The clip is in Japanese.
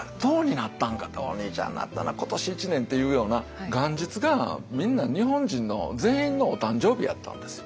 「お兄ちゃんなったな今年一年」っていうような元日がみんな日本人の全員のお誕生日やったんですよ。